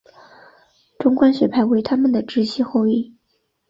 中观学派为他们的直系后裔。